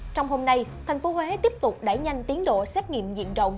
trong hôm nay thành phố huế tiếp tục đẩy nhanh tiến độ xét nghiệm diện rộng